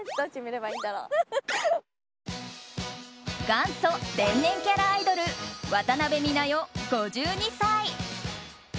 元祖天然キャラアイドル渡辺美奈代、５２歳。